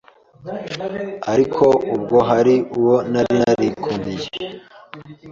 ariko ubwo hari uwo nari narikundiye